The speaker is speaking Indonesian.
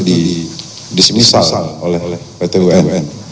disal oleh pt un